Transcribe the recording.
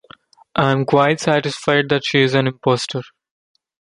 I am quite satisfied that she is an impostor.